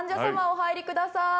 お座りください。